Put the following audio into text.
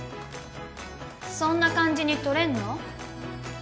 そんな感じに撮れんの？